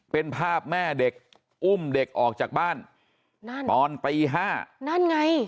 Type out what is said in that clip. เป็นภาพแม่เด็กอุ้มเด็กออกจากบ้านตอนปี๕